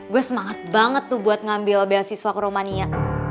gue semangat banget tuh buat ngambil beasiswa ke romania